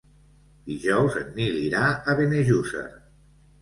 Dijous en Nil irà a Benejússer.